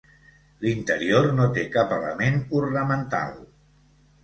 L'interior no té cap element ornamental.